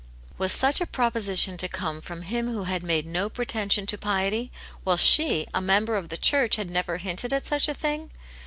Was such a proposition to come from him who had made no pretension to piety, while she, a member of the church, had never hinted at such a thing